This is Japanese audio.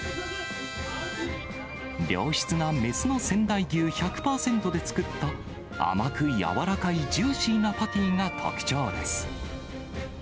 良質な雌の仙台牛１００％で作った甘く柔らかいジューシーなパティが特徴です。